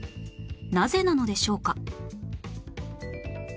なぜなのでしょうか？